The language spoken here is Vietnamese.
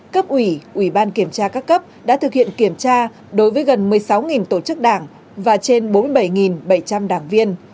cấp ủy ủy ban kiểm tra các cấp đã thực hiện kiểm tra đối với gần một mươi sáu tổ chức đảng và trên bốn mươi bảy bảy trăm linh đảng viên